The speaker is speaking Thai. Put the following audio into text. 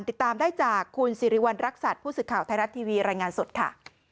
ติดตามได้จากคุณสิริวัณรักษัตริย์ผู้สื่อข่าวไทยรัฐทีวีรายงานสดค่ะ